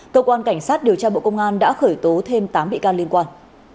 cơ quan cảnh sát điều tra bộ công an đã khởi tố thêm tám bị can liên quan